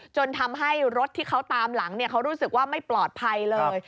จนทำให้รถที่เขาตามหลังเขารู้สึกว่าไม่ปลอดภัยเลย